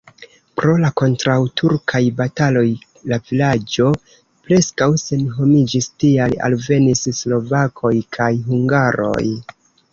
Pro la kontraŭturkaj bataloj la vilaĝo preskaŭ senhomiĝis, tial alvenis slovakoj kaj hungaroj.